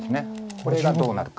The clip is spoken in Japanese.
これがどうなるか。